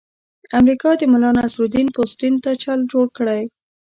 امریکا د ملانصرالدین پوستین ته چل جوړ کړی.